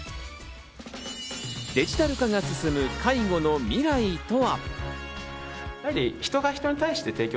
デジタル化が進む介護の未来とは？